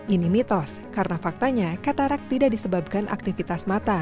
ini mitos karena faktanya katarak tidak disebabkan aktivitas mata